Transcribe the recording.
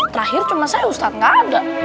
terakhir cuma saya ustadz gak ada